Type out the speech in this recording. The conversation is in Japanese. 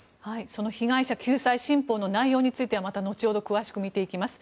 その被害者救済新法の内容についてはまた後ほど詳しく見ていきます。